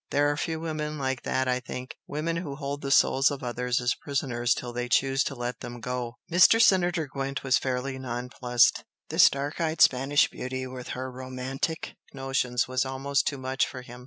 There are few women like that I think! women who hold the souls of others as prisoners till they choose to let them go!" Mr. Senator Gwent was fairly nonplussed. This dark eyed Spanish beauty with her romantic notions was almost too much for him.